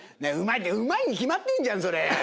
「うまい」「うまいに決まってんじゃんそれ。